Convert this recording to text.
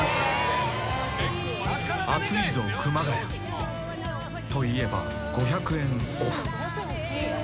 「『あついぞ！熊谷』と言えば５００円オフ」